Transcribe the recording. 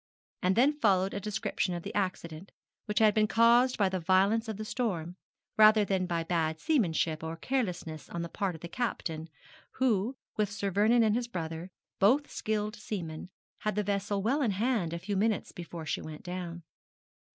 And then followed a description of the accident, which had been caused by the violence of the storm, rather than by bad seamanship or carelessness on the part of the captain, who, with Sir Vernon and his brother, both skilled seamen, had the vessel well in hand a few minutes before she went down.